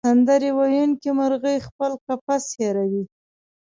سندرې ویونکې مرغۍ خپل قفس هېروي.